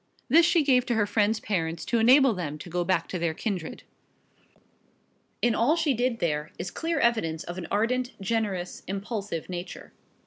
This she gave to her friend's parents to enable them to go back to their kindred. In all she did there is clear evidence of an ardent, generous, impulsive nature.